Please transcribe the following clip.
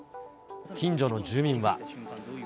近所の住民は。